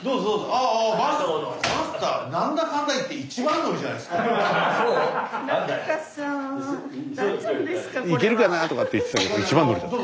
ああスタジオ行けるかな？とかって言ってたけど一番乗りだった。